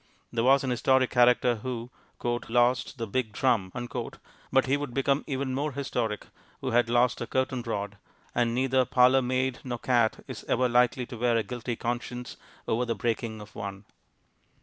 There was an historic character who "lost the big drum," but he would become even more historic who had lost a curtain rod, and neither parlour maid nor cat is ever likely to wear a guilty conscience over the breaking of one.